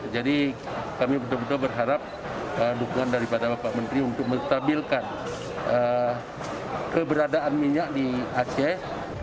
jadi kami betul betul berharap dukungan daripada pak menteri untuk menstabilkan keberadaan minyak di aceh